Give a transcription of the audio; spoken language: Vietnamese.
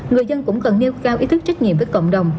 người dân cũng cần nêu cao ý thức trách nhiệm với cộng đồng